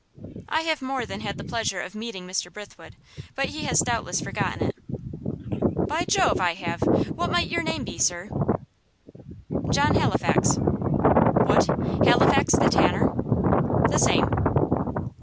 "I have more than had the pleasure of meeting Mr. Brithwood, but he has doubtless forgotten it." "By Jove! I have. What might your name be, sir?" "John Halifax." "What, Halifax the tanner?" "The same."